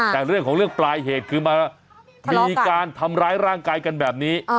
แต่เรื่องของเรื่องปลายเหตุคือมามีการทำร้ายร่างกายกันแบบนี้